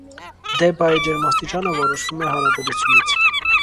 Դեբայի ջերմաստիճանը որոշվում է հարաբերությունից։